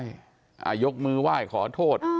ยกมือไหว้ขอโทษ